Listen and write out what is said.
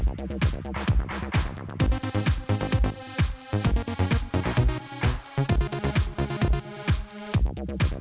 โอเคขอบคุณค่ะนี่ค่ะ